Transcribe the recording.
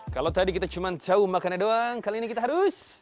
kalau tadi kita cuma tahu makannya doang kali ini kita harus